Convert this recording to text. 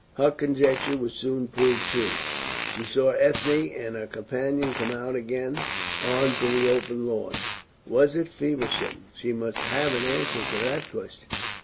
Her conjecture was soon proved true. She saw Ethne and her companion come out again on to the open lawn. Was it Feversham? She must have an answer to that question.